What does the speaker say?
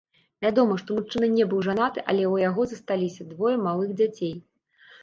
Вядома, што мужчына не быў жанаты, але ў яго засталіся двое малых дзяцей.